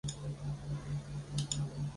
密县人。